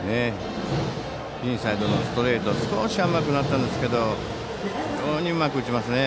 インサイドのストレートが少し甘くなったんですが非常にうまく打ちましたね。